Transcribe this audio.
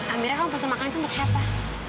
amira kamu pesan makanan itu buat siapa